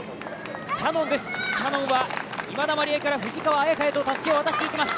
キヤノンです、今田麻里絵から藤川へとたすきを渡していきます。